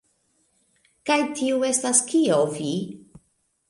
Kaj tio estas kio vi?